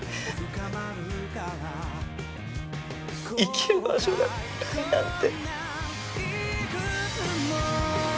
生きる場所がないなんて。